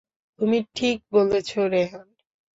তুমি ঠিক বলেছ, রেহান।